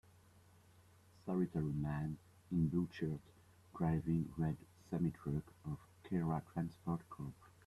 Solitary man in blue shirt driving red semitruck of Khera Transport Corp.